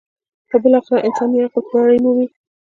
خو بالاخره انساني عقل برۍ مومي.